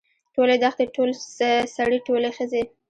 ټولې دښتې ټول سړي ټولې ښځې.